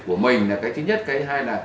mẹ mẹ đi đâu đấy